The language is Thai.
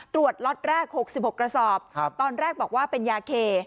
ล็อตแรก๖๖กระสอบตอนแรกบอกว่าเป็นยาเค